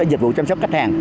dịch vụ chăm sóc khách hàng